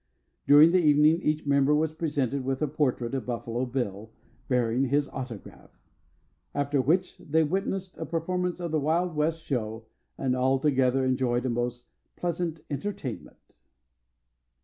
During the evening each member was presented with a portrait of Buffalo Bill, bearing his autograph; after which they witnessed a performance of the Wild West Show, and altogether enjoyed a most pleasant entertainment.